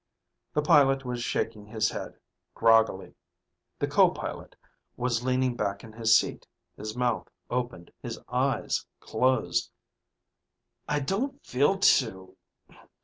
The pilot was shaking his head, groggily. The co pilot was leaning back in his seat, his mouth opened, his eyes closed. "I don't feel too